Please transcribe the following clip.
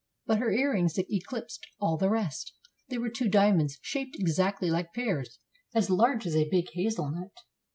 But her earrings eclipsed all the rest. They were two dia monds, shaped exactly like pears, as large as a big hazel nut.